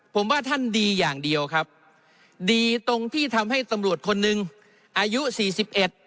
ผมว่าท่านดีอย่างเดียวครับดีตรงที่ทำให้ตำรวจคนหนึ่งอายุสี่สิบเอ็ด